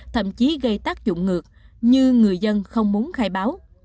thậm chí gây tác dụng ngược như người dân không muốn khai báo